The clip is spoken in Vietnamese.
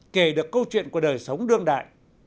kể được câu chuyện của đời sống đương đại